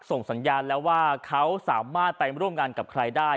ส่งสัญญาณแล้วว่าเขาสามารถไปร่วมงานกับใครได้